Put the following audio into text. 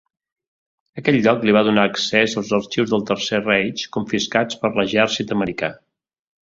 Aquest lloc li va donar accés als arxius del Tercer Reich confiscats per l'exèrcit americà.